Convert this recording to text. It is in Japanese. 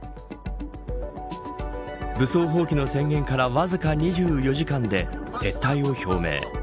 武装蜂起の宣言からわずか２４時間で撤退を表明。